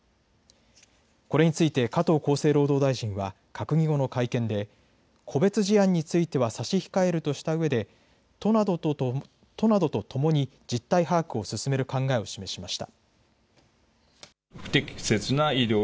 これについて加藤厚生労働大臣は閣議後の会見で個別事案について差し控えるとしたうえで都などと共に実態把握を進める考えを示しました。